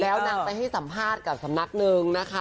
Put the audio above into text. แล้วนางไปให้สัมภาษณ์กับสำนักหนึ่งนะคะ